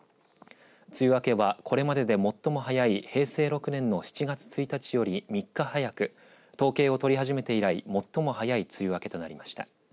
梅雨明けはこれまでで最も早い平成６年の７月１日より３日早く、統計を取り始めて以来最も早い梅雨明けとなりました。